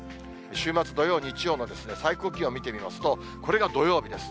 週末土曜、日曜の最高気温を見てみますと、これが土曜日です。